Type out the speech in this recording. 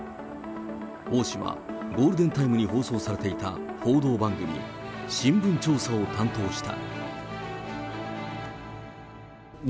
王氏はゴールデンタイムに放送されていた報道番組、新聞調査を担当した。